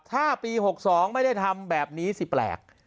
ถ้าปี๖๒ไม่ได้ทำแบบนี้สิแปลก